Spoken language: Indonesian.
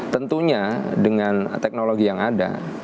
tentunya dengan teknologi yang ada